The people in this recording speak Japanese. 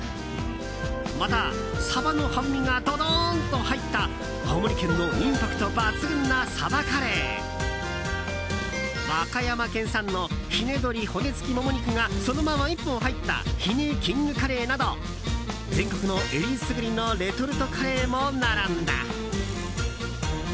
また、サバの半身がどどーんと入った青森県のインパクト抜群な鯖カレー和歌山県産のひね鶏骨付きモモ肉がそのまま１本入ったひねキングカレーなど全国の選りすぐりのレトルトカレーも並んだ。